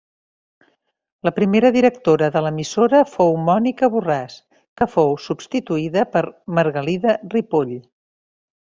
La primera directora de l'emissora fou Mònica Borràs, que fou substituïda per Margalida Ripoll.